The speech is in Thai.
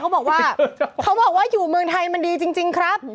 เขาบอกว่าอยู่เมืองไทยมันดีจริงครับ